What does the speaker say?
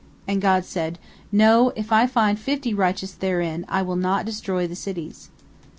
And God said, "No, if I find fifty righteous therein, I will not destroy the cities."